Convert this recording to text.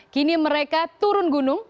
kini mereka turun gunung